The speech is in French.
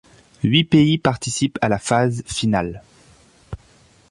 Huit pays participent à la phase finale.